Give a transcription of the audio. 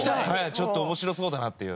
ちょっと面白そうだなっていう。